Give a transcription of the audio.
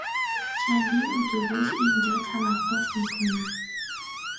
چندین اتوبوس اینجا توقف میکنند.